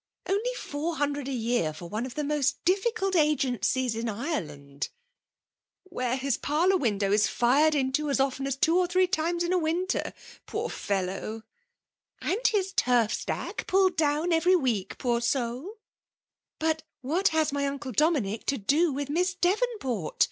" Only four hundred a year for one of the most difficult agencies in Ireland !—'''Where his parlour window is fired into as often as two or three times in a winter ! Poor fellow 1 " ''And his turf stack puUed down every week, poor soiJ I "'' But what has my unde Dominick to do with Miss Devonport?"